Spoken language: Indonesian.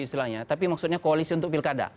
istilahnya tapi maksudnya koalisi untuk pilkada